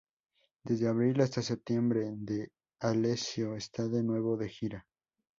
Desde abril hasta septiembre D'Alessio está de nuevo de gira.